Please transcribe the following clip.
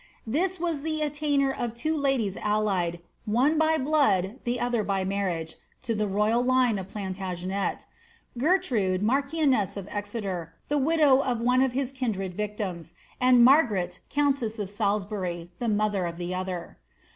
This was the attainder of two ladies allied, one by blood, tlie other by marriage, to the royul line of Planta ftnet; Gertrude, marchioness of Exeter, the widotv of one of his kin dnd viciims, and Margaret, countess of Salisbury, the mother of the otlwr.